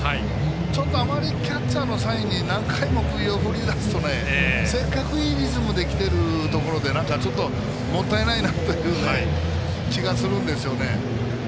ちょっとあまりキャッチャーのサインに何回も首を振りますとせっかく、いいリズムできているところでちょっと、もったいないなという気がするんですよね。